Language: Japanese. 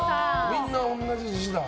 みんな同じ字だ。